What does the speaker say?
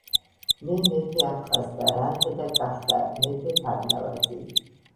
მე მეფე აფხაზთა რანთა და კახთა მეფე ფარნავაზი